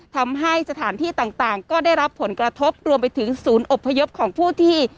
ทำให้สถานที่ต่างก็ได้รับผลกระทบรวมไปถึงศูนย์อบพยพของผู้ที่